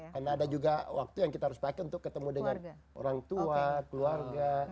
karena ada juga waktu yang kita harus pakai untuk ketemu dengan orang tua keluarga